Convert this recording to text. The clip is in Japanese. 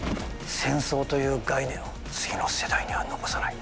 戦争という概念を次の世代には残さない。